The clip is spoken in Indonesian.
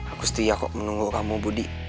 aku setia kok menunggu kamu budi